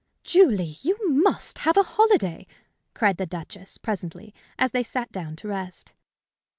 "Julie! you must have a holiday!" cried the Duchess, presently, as they sat down to rest.